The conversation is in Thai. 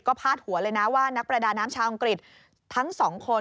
พาดหัวเลยนะว่านักประดาน้ำชาวอังกฤษทั้งสองคน